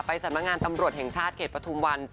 สำนักงานตำรวจแห่งชาติเขตปฐุมวัน